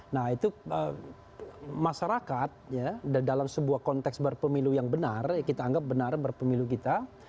nah itu masyarakat ya dalam sebuah konteks berpemilu yang benar kita anggap benar berpemilu kita